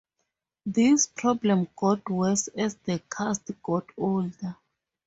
This problem got worse as the cast got older.